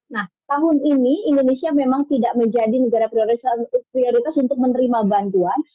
nah tahun ini indonesia memang tidak menjadi negara prioritas untuk menerima bantuan